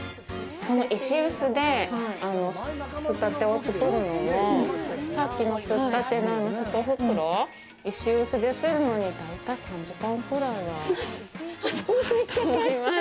この石臼ですったてを作るのもさっきのすったての一袋石臼でするのに大体３時間くらいはかかると思います。